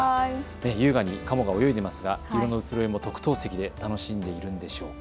優雅にカモが泳いでいますが色の移ろいも特等席で楽しんでいるんでしょうか。